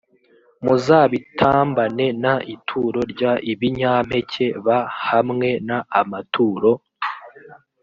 muzabitambane n ituro ry ibinyampeke b hamwe n amaturo